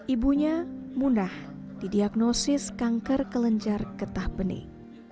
ibunya munah didiagnosis kanker kelenjar getah benih